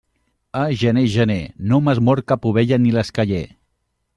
Ah, gener, gener, no m'has mort cap ovella ni l'esqueller.